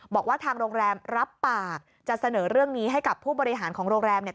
บอกว่าทางโรงแรมรับปากจะเสนอเรื่องนี้ให้กับผู้บริหารของโรงแรมเนี่ย